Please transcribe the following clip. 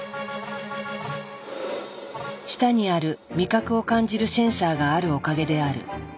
舌にある味覚を感じるセンサーがあるおかげである。